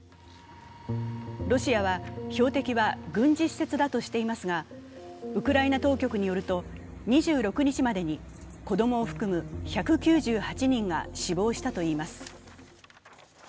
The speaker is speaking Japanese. ロシアは標的は軍事施設だとしていますがウクライナ当局によると、２６日までに子供を含む１９８人が死亡したといいます。